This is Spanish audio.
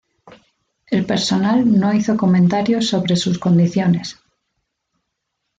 El personal no hizo comentarios sobre sus condiciones.